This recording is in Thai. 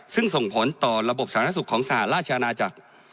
ซึ่งส่งผลต่อระบบสาธารณสุขของสหราชอาณาจักร